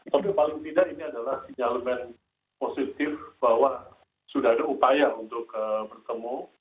tapi paling tidak ini adalah sinyalemen positif bahwa sudah ada upaya untuk bertemu